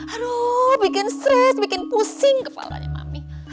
aduh bikin stres bikin pusing kepalanya mami